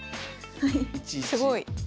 すごい。